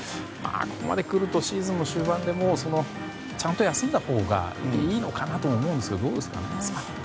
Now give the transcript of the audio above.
もうあまりくるとシーズン終盤でちゃんと休んだほうがいいのかなと思うんですがどうですか？